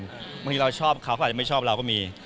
บางทีเราชอบเขาเขาอาจจะไม่ชอบเราก็มี